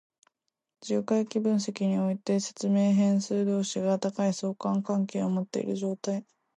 重回帰分析において、説明変数同士が高い相関関係を持っている状態。